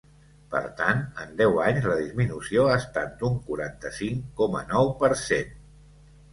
Per tant, en deu anys la disminució ha estat d’un quaranta-cinc coma nou per cent.